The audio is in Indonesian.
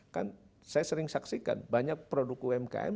kan saya sering saksikan banyak produk umkm